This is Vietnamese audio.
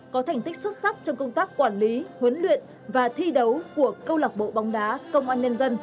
có thành tích xuất sắc trong công tác quản lý huấn luyện và thi đấu của câu lạc bộ bóng đá công an nhân dân